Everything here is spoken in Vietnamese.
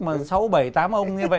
mà sáu bảy tám ông như vậy